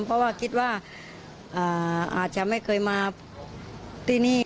เพราะว่าคิดว่าอาจจะไม่เคยมาที่นี่